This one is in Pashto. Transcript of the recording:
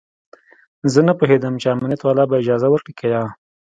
زه نه پوهېدم چې امنيت والا به اجازه ورکړي که يه.